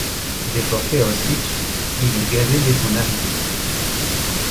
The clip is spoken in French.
Déporté à Auschwitz, il est gazé dès son arrivée.